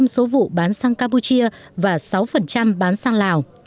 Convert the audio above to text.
một mươi số vụ bán sang campuchia và sáu bán sang lào